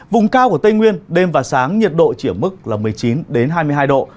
vùng cao của tây nguyên đêm và sáng nhiệt độ chỉ ở mức một mươi chín hai mươi hai độ